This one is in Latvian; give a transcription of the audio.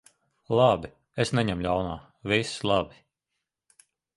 Labi. Es neņemu ļaunā. Viss labi.